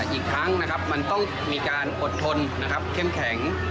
อีกทั้งมันต้องมีการอดทนนะครับเข้มแข็ง